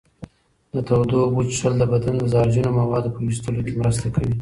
د تودو اوبو څښل د بدن د زهرجنو موادو په ویستلو کې مرسته کوي.